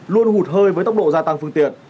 luôn hụt hơi với tốc độ gia tăng phương tiện